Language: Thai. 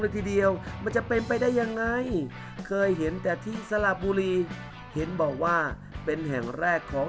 ทีเดียวมันจะเป็นไปได้ยังไงเคยเห็นแต่ที่สระบุรีเห็นบอกว่าเป็นแห่งแรกของ